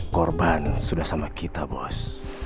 korban sudah sama kita bos